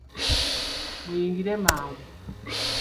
Muyingire mangu !